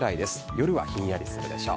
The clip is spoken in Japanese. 夜はひんやりするでしょう。